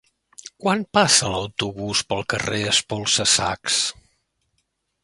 Quan passa l'autobús pel carrer Espolsa-sacs?